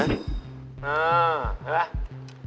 อ่าเห็นไหม